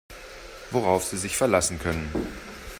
Worauf Sie sich verlassen können.